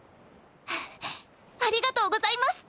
ふふっありがとうございます！